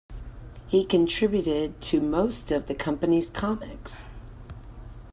He contributed to most of the company's comics.